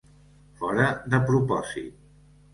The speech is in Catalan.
Fora de propòsit.